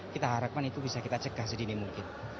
kita harapkan itu bisa kita cekah sedikit mungkin